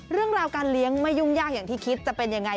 เรื่องราวการเลี้ยงไม่ยุ่งยากอย่างที่คิดจะเป็นยังไง